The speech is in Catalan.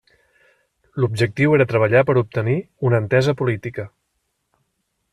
L'objectiu era treballar per obtenir una entesa política.